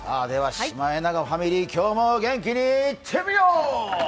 シマエナガファミリー、今日も元気にいってみよう！